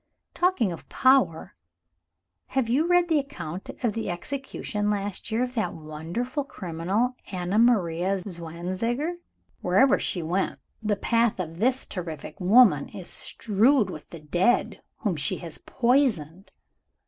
"Talking of power, have you read the account of the execution last year of that wonderful criminal, Anna Maria Zwanziger? Wherever she went, the path of this terrific woman is strewed with the dead whom she has poisoned.